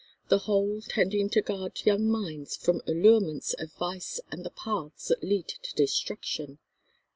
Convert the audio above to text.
The whole tending to guard young minds from allurements of vice and the paths that lead to destruction."